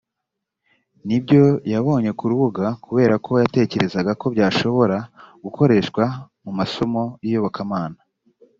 n ibyo yabonye ku rubuga kubera ko yatekerezaga ko byashoboraga gukoreshwa mu masomo y iyobokamana